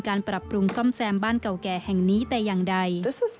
ปรับปรุงซ่อมแซมบ้านเก่าแก่แห่งนี้แต่อย่างใด